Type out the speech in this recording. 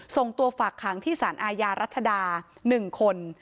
ส่งตัวฝากขังที่สารอาญารัชดา๑คน